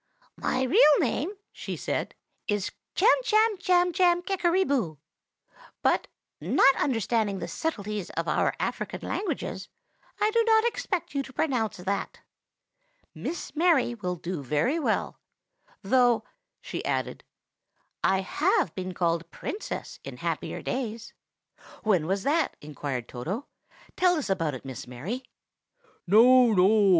"My real name," she said, "is Chamchamchamchamkickeryboo; but, not understanding the subtleties of our African languages, I do not expect you to pronounce that. 'Miss Mary' will do very well; though," she added, "I have been called Princess in happier days." "When was that?" inquired Toto. "Tell us about it, Miss Mary." "No, no!"